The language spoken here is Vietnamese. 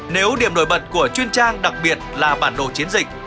nếu điểm nổi bật của truyền trang đặc biệt là bản đồ chiến dịch